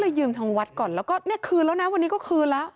ยืมทางวัดก่อนแล้วก็เนี่ยคืนแล้วนะวันนี้ก็คืนแล้ว